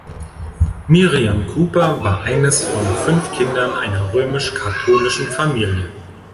Miriam Cooper war eines von fünf Kindern einer römisch-katholischen Familie.